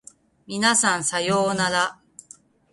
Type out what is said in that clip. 皆さんさようなら